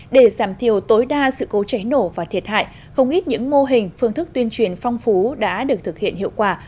để giảm thiểu tối đa sự cố cháy nổ và thiệt hại không ít những mô hình phương thức tuyên truyền phong phú đã được thực hiện hiệu quả